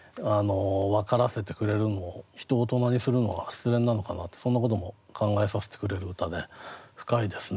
人を大人にするのは失恋なのかなってそんなことも考えさせてくれる歌で深いですね。